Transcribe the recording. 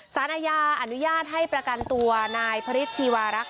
สารอาญาอนุญาตให้ประกันตัวนายพระฤทธชีวารักษ